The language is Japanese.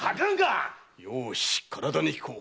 ようし体にきこう。